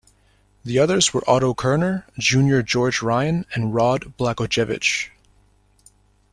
The others were Otto Kerner Junior George Ryan, and Rod Blagojevich.